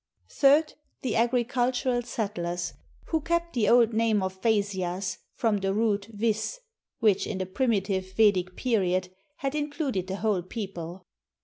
Third, the agricultural settlers, who kept the old name of Vaisyas, from the root vis, which in the primitive Vedic period had included the whole people.